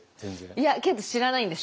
いやけど知らないんです。